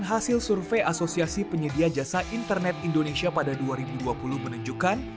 hasil survei asosiasi penyedia jasa internet indonesia pada dua ribu dua puluh menunjukkan